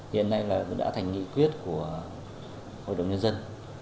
hiện nay nó đã thành nghị quyết của hội đồng nhân dân